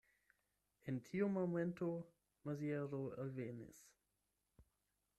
En tiu momento Maziero alvenis.